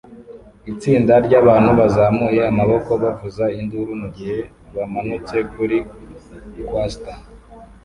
Itsinda ryabantu bazamuye amaboko bavuza induru mugihe bamanutse kuri coaster